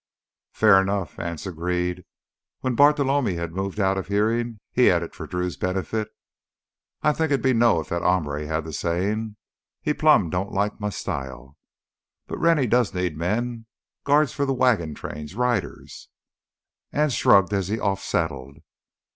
"Fair enough," Anse agreed. When Bartolome had moved out of hearing, he added for Drew's benefit: "I think it'd be 'no' if that hombre had th' sayin'. He plumb don't like my style." "But Rennie does need men—guards for the wagon trains, riders——" Anse shrugged as he off saddled.